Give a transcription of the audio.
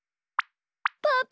パパ。